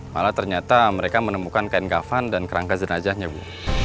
malah ternyata mereka menemukan kain kafan dan kerangka jenajahnya bu